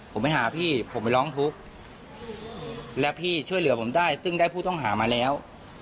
ผมไปหาพี่ผมไปร้องทุกข์และพี่ช่วยเหลือผมได้ซึ่งได้ผู้ต้องหามาแล้ว